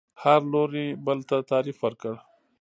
هر لوري بل ته تعریف ورکړ